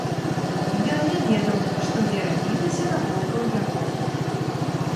Ён не ведаў, што дзе рабілася навокал яго.